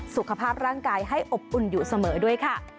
สุขภาพร่างกายให้อบอุ่นอยู่เสมอด้วยค่ะ